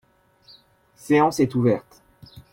séance est ouverte.